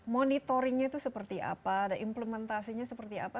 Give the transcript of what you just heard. monitoringnya itu seperti apa dan implementasinya seperti apa